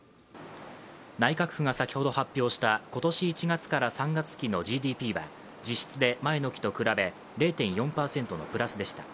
内閣府が先ほど発表した今年１月から３月期のＧＤＰは実質で前の木と比べ０．４％のプラスでした。